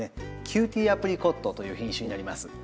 ‘キューティーアプリコット’という品種になります。